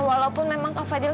nah walaupun memang kak fadil